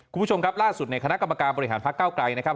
คุณผู้ชมครับล่าสุดในคณะกรรมการบริหารพักเก้าไกลนะครับ